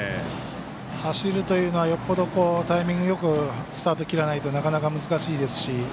走るというのはよほどタイミングよくスタート切らないとなかなか難しいですし。